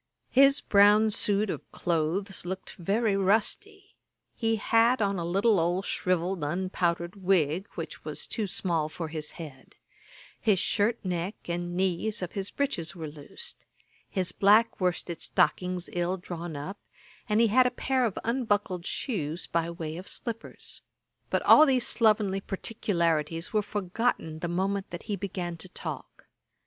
His brown suit of cloaths looked very rusty; he had on a little old shrivelled unpowdered wig, which was too small for his head; his shirt neck and knees of his breeches were loose; his black worsted stockings ill drawn up; and he had a pair of unbuckled shoes by way of slippers. But all these slovenly particularities were forgotten the moment that he began to talk.